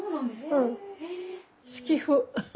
うん。